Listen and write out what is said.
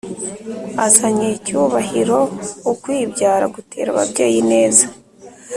azanye cyubahiroukwibyara gutera ababyeyi ineza